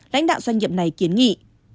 lãnh đạo doanh nghiệp này kiến nghị